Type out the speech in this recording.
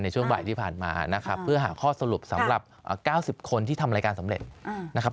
ช่วงบ่ายที่ผ่านมานะครับเพื่อหาข้อสรุปสำหรับ๙๐คนที่ทำรายการสำเร็จนะครับ